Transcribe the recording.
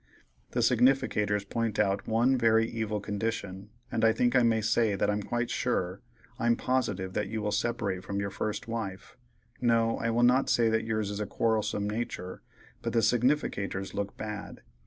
The significators point out one very evil condition, and I think I may say that I'm quite sure. I'm positive that you will separate from your first wife. No, I will not say that yours is a quarrelsome natur', but the significators look bad.